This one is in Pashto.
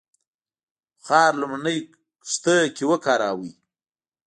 بخار لومړنۍ کښتۍ کې وکاراوه.